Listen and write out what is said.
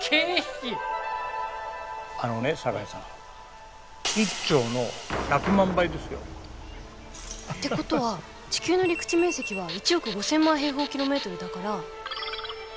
あのね堺さん１兆の１００万倍ですよ。ってことは地球の陸地面積は１億５，０００万だから。